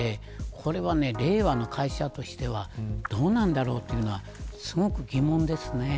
これは、令和の会社としてはどうなんだろうというのはすごく疑問ですね。